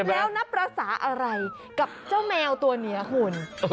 แล้วนับภาษาอะไรกับเจ้าแมวตัวนี้คุณ